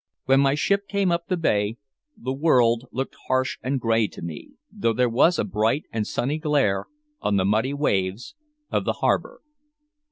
When my ship came up the Bay, the world looked harsh and gray to me, though there was a bright and sunny glare on the muddy waves of the harbor.